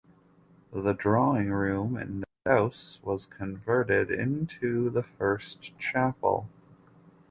The drawing room in the house was converted into the first chapel.